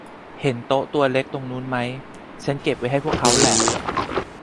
เห็นโต๊ะตัวเล็กตรงนู่นไหม ? ฉันเก็บไว้ให้พวกเขาแหล่ะ